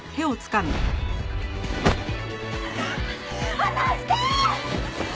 離して！